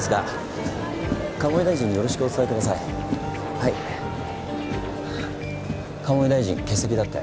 はぁ鴨井大臣欠席だって。